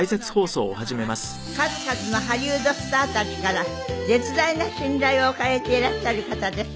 今日のお客様は数々のハリウッドスターたちから絶大な信頼を置かれていらっしゃる方です。